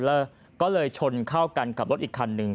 แล้วก็เลยชนเข้ากันกับรถอีกคันหนึ่ง